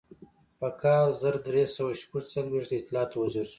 په کال زر درې سوه شپږ څلویښت د اطلاعاتو وزیر شو.